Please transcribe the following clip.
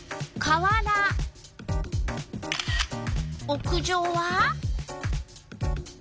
屋上は？